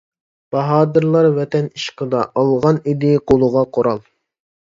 باھادىرلار ۋەتەن ئىشقىدا، ئالغان ئىدى قولىغا قورال.